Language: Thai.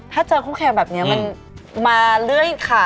ถ้าเจอคู่แข่งแบบนี้มันมาเรื่อยค่ะ